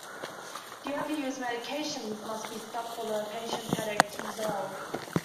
The overused medications must be stopped for the patient's headache to resolve.